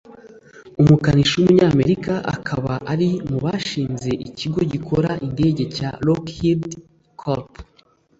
umukanishi w’umunyamerika akaba ari mu bashinze ikigo gikora indege cya Lockheed Corp